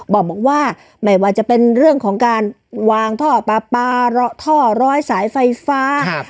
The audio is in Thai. บอกว่าไม่ว่าจะเป็นเรื่องของการวางท่อปลาปลาท่อร้อยสายไฟฟ้า